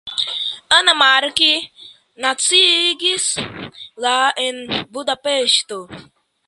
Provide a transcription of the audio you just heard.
Anna Mark naskiĝis la en Budapeŝto.